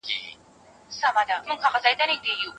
که یو بل ته اړتیا نه وي نو مینه نسته.